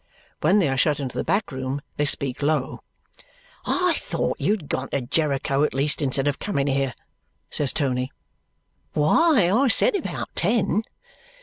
When they are shut into the back room, they speak low. "I thought you had gone to Jericho at least instead of coming here," says Tony. "Why, I said about ten."